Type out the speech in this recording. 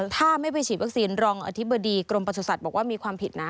ถ้าไม่ไปฉีดวัคซีนรองอธิบดีกรมประสุทธิ์บอกว่ามีความผิดนะ